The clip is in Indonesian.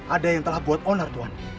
ada yang telah buat onar tuhan